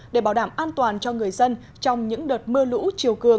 để bảo đảm an toàn cho người dân trong những đợt mưa lũ chiều cường